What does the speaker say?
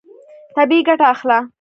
طبیعي ګټه اخله.